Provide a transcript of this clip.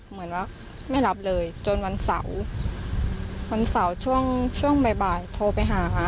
เหมือนว่าไม่รับเลยจนวันเสาร์วันเสาร์ช่วงช่วงบ่ายบ่ายโทรไปหาค่ะ